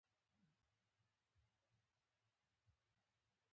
جانداد د اخلاقو عالي مقام لري.